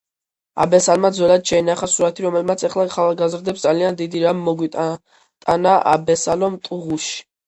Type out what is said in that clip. აბესალმა ძველად შეინახა სურათი რომელმაც ეხლა ახალგაზრდებს ძალიან დიდი რამ მოგვიტანააბესალომ ტუღუში